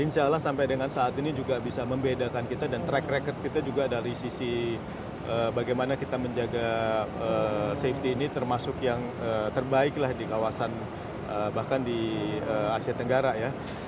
insya allah sampai dengan saat ini juga bisa membedakan kita dan track record kita juga dari sisi bagaimana kita menjaga safety ini termasuk yang terbaik lah di kawasan bahkan di asia tenggara ya